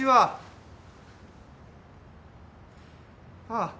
ああ。